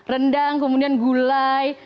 rendang kemudian gulai